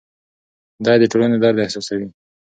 دی د ټولنې درد احساسوي.